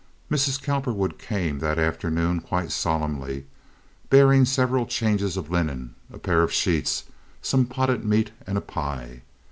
Mrs. Cowperwood came in that afternoon quite solemnly, bearing several changes of linen, a pair of sheets, some potted meat and a pie.